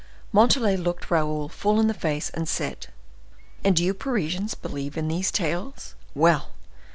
Montalais looked Raoul full in the face, and said, "And do you Parisians believe in these tales? Well!